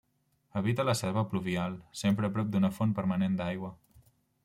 Habita la selva pluvial, sempre a prop d'una font permanent d'aigua.